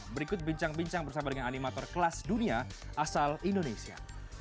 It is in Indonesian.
berikut bincang bincang bersama dengan animator kelas dunia asal indonesia